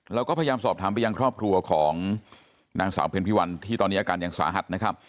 เราก็พยายามสอบถามไปยังครอบครัวของนางสาวเพ็ญพิวันที่ตอนนี้อาการยังสาหัสนะครับ